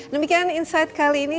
demikian insight kali ini